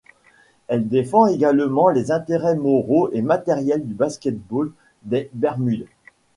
Elle défend également les intérêts moraux et matériels du basket-ball des Bermudes.